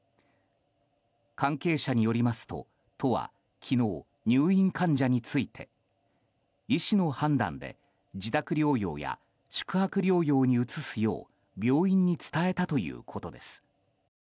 関係者によりますと、都は昨日入院患者について医師の判断で自宅療養や宿泊療養に移すよう病院に伝えたということです。